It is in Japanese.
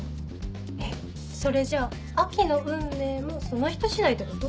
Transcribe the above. えっそれじゃ亜季の運命もその人次第ってこと？